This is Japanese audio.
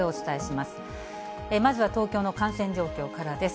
まずは東京の感染状況からです。